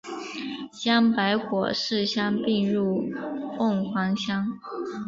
将白果市乡并入凤凰乡。